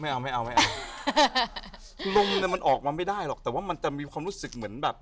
เอาไม่เอาไม่เอาลมเนี่ยมันออกมาไม่ได้หรอกแต่ว่ามันจะมีความรู้สึกเหมือนแบบ